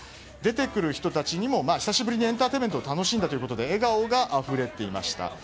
出てくる人たちにも久しぶりにエンターテインメントを楽しんだということで笑顔があふれていました。